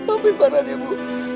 amin farhan ya bu